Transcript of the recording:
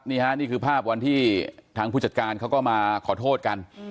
นี่ค่ะนี่คือภาพวันที่ทางผู้จัดการเขาก็มาขอโทษกัน